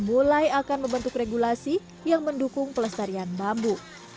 mulai akan membentuk regulasi yang mendukung pelestarian bambu